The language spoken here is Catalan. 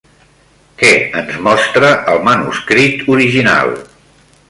Què ens mostra el manuscrit original?